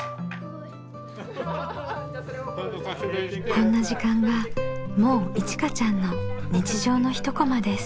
こんな時間がもういちかちゃんの日常の一コマです。